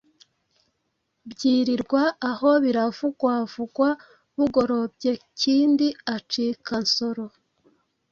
Byirirwa aho biravugwavugwa, bugorobye Kindi acika Nsoro